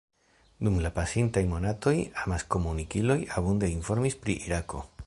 Dum la pasintaj monatoj amas-komunikiloj abunde informis pri Irako.